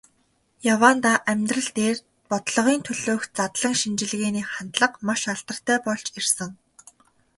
Яваандаа амьдрал дээр, бодлогын төлөөх задлан шинжилгээний хандлага маш алдартай болж ирсэн.